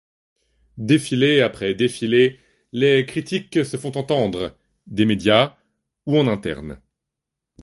Défilé après défilé, les critiques se font entendre, des médias ou en interne.